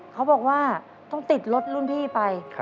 เขาบอกว่าต้องติดรถรุ่นพี่ไป